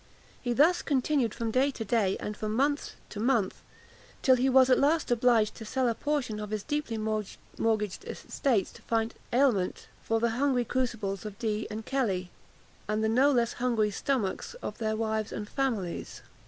He thus continued from day to day, and from month to month, till he was at last obliged to sell a portion of his deeply mortgaged estates to find aliment for the hungry crucibles of Dee and Kelly, and the no less hungry stomachs of their wives and families.